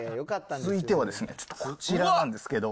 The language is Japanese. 続いてはこちらなんですけど。